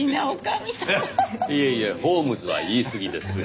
いえいえホームズは言いすぎです。